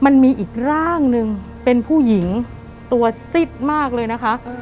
มันมีอีกร่างนึงเป็นผู้หญิงตัวซิดมากเลยนะคะ